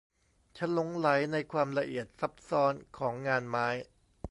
ฉันหลงใหลในความละเอียดซับซ้อนของงานไม้